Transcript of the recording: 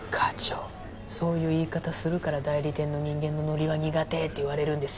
そういう言い方するから代理店の人間のノリは苦手って言われるんです